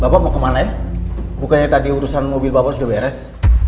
bapak mau kemana ya bukannya tadi urusan mobil bapak sudah beres